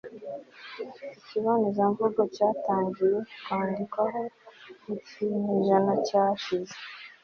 ikibonezamvugo cyatangiye kwandikwaho mu kinyejana cyashize